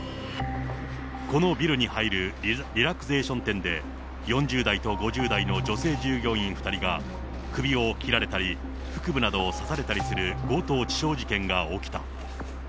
このビルに入るリラクゼーション店で、４０代と５０代の女性従業員２人が、首を切られたり、腹部などを刺されたりする強盗致傷事件が起きた。